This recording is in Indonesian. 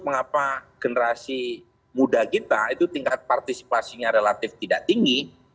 mengapa generasi muda kita itu tingkat partisipasinya relatif tidak tinggi